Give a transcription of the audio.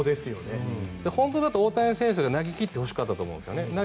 本当だと大谷選手に投げ切ってほしかったと思うんですよね。